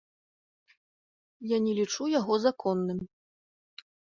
Я не лічу яго законным.